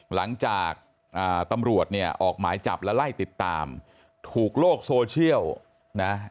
หลังจากตำรวจเนี่ยออกหมายจับและไล่ติดตามถูกโลกโซเชียลนะ